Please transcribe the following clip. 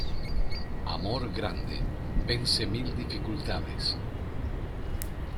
Amor grande, vence mil dificultades.